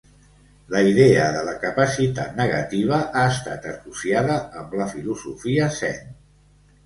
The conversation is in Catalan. La idea de la capacitat negativa ha estat associada amb la filosofia zen.